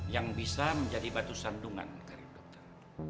yang bisa menjadi batu sandungan dari dokter